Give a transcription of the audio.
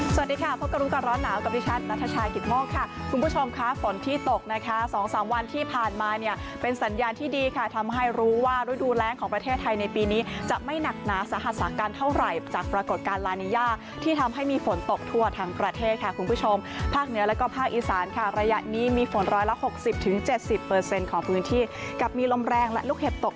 สวัสดีค่ะพบกับรู้กันร้อนหนาวกับดิฉันนัทชายกิตโมกค่ะคุณผู้ชมค่ะฝนที่ตกนะคะสองสามวันที่ผ่านมาเนี่ยเป็นสัญญาณที่ดีค่ะทำให้รู้ว่ารูดูแล้งของประเทศไทยในปีนี้จะไม่หนักหนาสหรัฐสากรรมเท่าไหร่จากปรากฏการณ์ลาเนียที่ทำให้มีฝนตกทั่วทางประเทศค่ะคุณผู้ชมภาคเหนือแล้วก็